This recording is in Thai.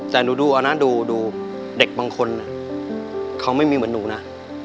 แต่หนูดูเอานะดูเด็กบางคนเขาไม่มีเหมือนหนูนะ